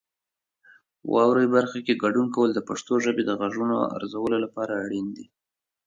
واورئ برخه کې ګډون کول د پښتو ژبې د غږونو ارزولو لپاره اړین دي.